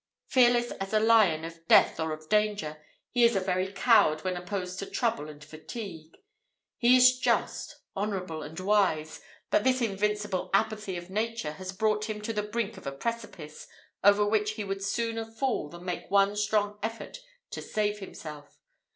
Fearless as a lion of death or of danger, he is a very coward when opposed to trouble and fatigue; he is just, honourable, and wise, but this invincible apathy of nature has brought him to the brink of a precipice, over which he would sooner fall than make one strong effort to save himself.